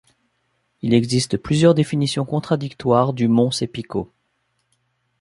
Il existe plusieurs définitions contradictoires du mont Seppiko.